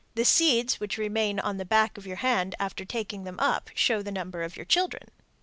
The seeds which remain on the back of your hand after taking them up show the number of your children.